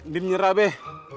din nyerah beh